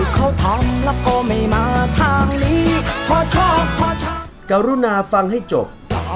การุณาฟังให้จบ